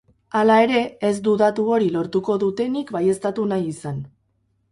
Hala ere, ez du datu hori lortuko dutenik baieztatu nahi izan.